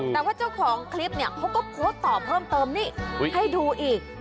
แต่ว่าเจ้าของคลิปเนี่ยเขาก็โพสต์ต่อเพิ่มเติมนี่ให้ดูอีก